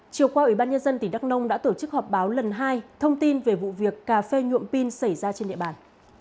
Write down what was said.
chiều qua ủy ban nhân dân tỉnh đắk nông đã tổ chức họp báo lần hai thông tin về vụ việc cà phê nhuộm pin xảy ra trên địa bàn